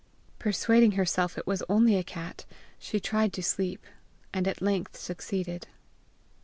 Persuading herself it was only a cat, she tried to sleep, and at length succeeded.